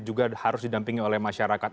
juga harus didampingi oleh masyarakat